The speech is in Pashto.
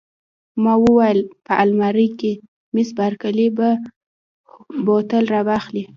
ما وویل: په المارۍ کې، مس بارکلي به بوتل را واخلي.